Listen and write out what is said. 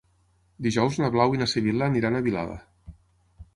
Dijous na Blau i na Sibil·la aniran a Vilada.